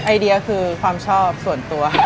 ไอเดียคือความชอบส่วนตัวค่ะ